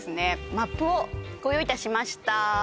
マップをご用意いたしました